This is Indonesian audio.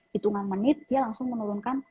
hitungan menit dia langsung menurunkan